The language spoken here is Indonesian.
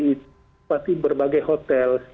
seperti berbagai hotel